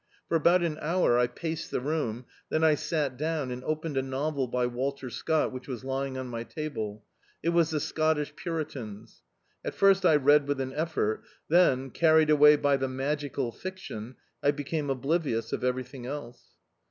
For about an hour I paced the room, then I sat down and opened a novel by Walter Scott which was lying on my table. It was "The Scottish Puritans." At first I read with an effort; then, carried away by the magical fiction, I became oblivious of everything else.